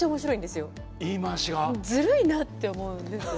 ずるいなって思うんですよ。